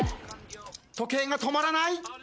時計が止まらない。